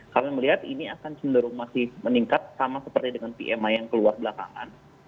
kami melihat ini akan cenderung masih meningkat sama seperti dengan pmi yang keluar belakangan